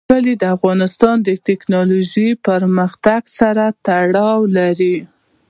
کلي د افغانستان د تکنالوژۍ پرمختګ سره تړاو لري.